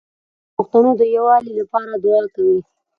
نغمه د پښتنو د یووالي لپاره دوعا کوي